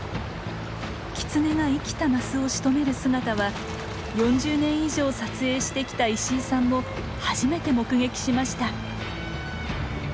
キツネが生きたマスをしとめる姿は４０年以上撮影してきた石井さんも初めて目撃しました。